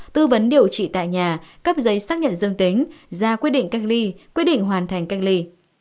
tư vấn điều trị tại nhà cấp giấy xác nhận dương tính ra quyết định cách ly quyết định hoàn thành cách ly